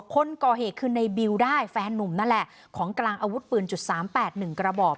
คนก่อเหตุคือในบิวได้แฟนนุ่มนั่นแหละของกลางอาวุธปืนจุดสามแปดหนึ่งกระบอก